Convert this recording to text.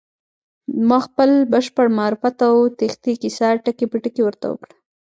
ما خپل بشپړ معرفت او تېښتې کيسه ټکی په ټکی ورته وکړه.